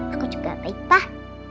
aku juga baik pak